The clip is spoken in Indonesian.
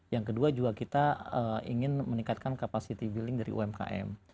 yang kedua juga kita ingin meningkatkan capacity building dari umkm